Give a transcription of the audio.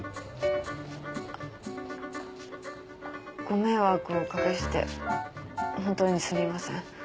ご迷惑をお掛けして本当にすみません。